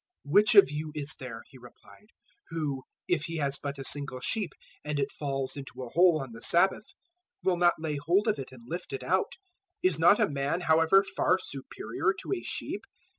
012:011 "Which of you is there," He replied, "who, if he has but a single sheep and it falls into a hole on the Sabbath, will not lay hold of it and lift it out? 012:012 Is not a man, however, far superior to a sheep?